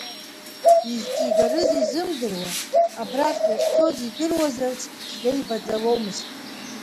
Изҵигарыз изымдыруа, абрахь иахьцоз идыруазарц цәгьа ибаӡолмызт.